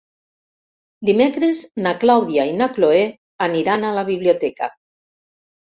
Dimecres na Clàudia i na Cloè aniran a la biblioteca.